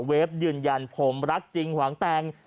เวฟยืนยันผมรักจริงหวังแต่ง